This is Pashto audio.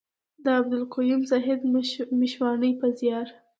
د عبدالقيوم زاهد مشواڼي په زيار.